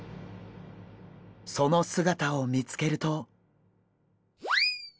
その姿を見つけると。